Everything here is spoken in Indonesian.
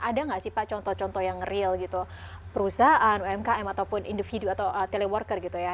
ada nggak sih pak contoh contoh yang real gitu perusahaan umkm ataupun individu atau teleworker gitu ya